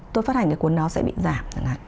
tôi phát hành cái cuốn đó sẽ bị giảm